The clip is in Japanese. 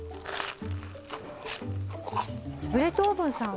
ブレッドオーブンさん